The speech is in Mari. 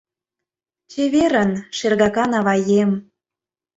Чеверын, шергакан аваем.